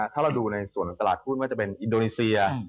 ถ้าเราดูในส่วนของตลาดหุ้นว่าจะเป็นอินโดนีเซีย